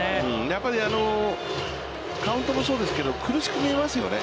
やっぱりカウントもそうですけど、苦しく見えますよね。